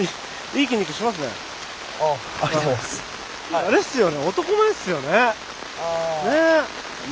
あれっすよね男前っすよね。ね。